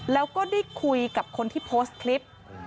แล้วก็ได้คุยกับคนที่โพสต์คลิป